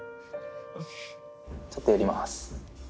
ちょっと寄ります。